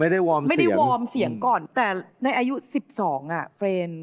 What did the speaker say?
ไม่ได้วอร์มเสียงก่อนแต่ในอายุสิบสองอ่ะเฟรนด์